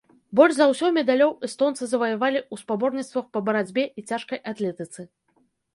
Больш за ўсё медалёў эстонцы заваявалі ў спаборніцтвах па барацьбе і цяжкай атлетыцы.